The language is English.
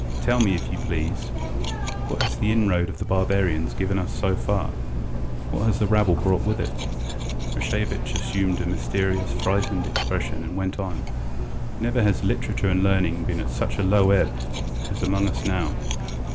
Tell me, if you please, what has the inroad of the barbarians given us so far? What has the rabble brought with it?" Rashevitch assumed a mysterious, frightened expression, and went on: "Never has literature and learning been at such low ebb among us as now.